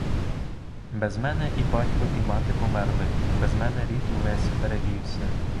Без мене і батько і мати померли; без мене рід увесь перевівся.